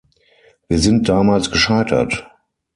Wir sind damals gescheitert.